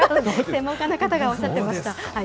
専門家の方がおっしゃってました。